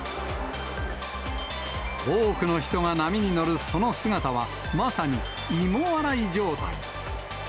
多くの人が波に乗るその姿は、まさに芋洗い状態。